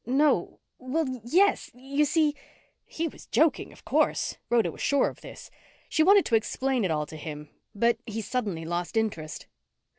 "No well, yes you see " He was joking, of course. Rhoda was sure of this. She wanted to explain it all to him but he suddenly lost interest.